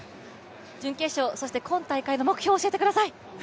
準決勝、そして今大会の目標を教えてください。